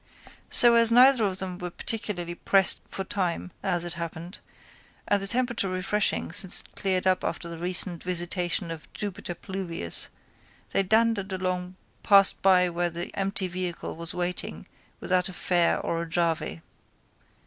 So as neither of them were particularly pressed for time, as it happened, and the temperature refreshing since it cleared up after the recent visitation of Jupiter Pluvius, they dandered along past by where the empty vehicle was waiting without a fare or a jarvey.